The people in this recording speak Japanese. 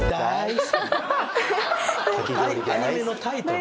アニメのタイトル。